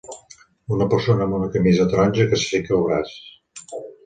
Una persona amb una camisa taronja que aixeca el braç.